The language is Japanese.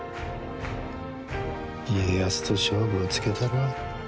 家康と勝負をつけたるわ。